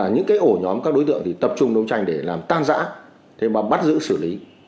những ổ nhóm các đối tượng tập trung đấu tranh để làm tan rã bắt giữ xử lý